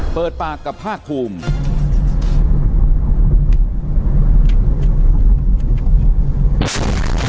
เปิดปากกับภาคภูมิ